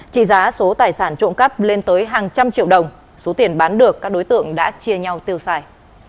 trị giá số tài sản trộm cắp lên tới hàng trăm triệu đồng số tiền bán được các đối tượng đã chia nhau tiêu xài